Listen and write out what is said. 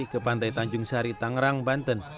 ke pantai tanjung sari tangerang banten